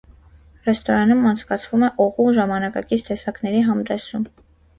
Ռեստորանում անցկացվում է օղու ժամանակակից տեսակների համտեսում։